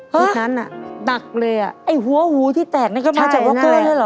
จุดนั้นอ่ะหนักเลยอ่ะไอ้หัวหูที่แตกนี่ก็มาจากวอเกอร์เลยเหรอ